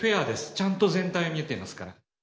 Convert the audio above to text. ちゃんと全体見えてますから。